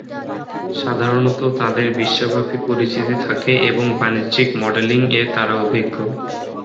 সাধারণত তাদের বিশ্বব্যাপী পরিচিতি থাকে, এবং বাণিজ্যিক মডেলিং-এ তারা অভিজ্ঞ।